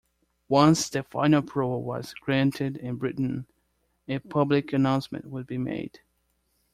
Once the final approval was granted in Britain, a public announcement would be made.